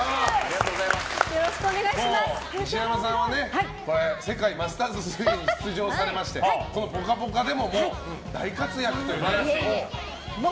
西山さんは世界マスターズ水泳に出場されまして「ぽかぽか」でももう大活躍というね。